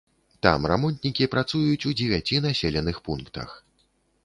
Там рамонтнікі працуюць у дзевяці населеных пунктах.